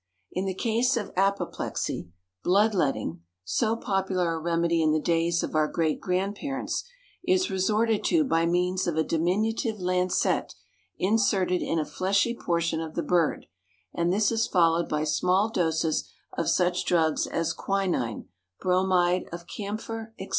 In the case of apoplexy, blood letting so popular a remedy in the days of our great grandparents is resorted to by means of a diminutive lancet inserted in a fleshy portion of the bird, and this is followed by small doses of such drugs as quinine, bromide of camphor, etc.